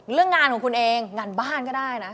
เรื่องงานของคุณเองงานบ้านก็ได้นะ